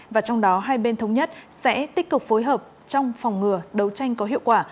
và trong đó hai bên thống nhất sẽ tích cực phối hợp trong phòng ngừa đấu tranh có hiệu quả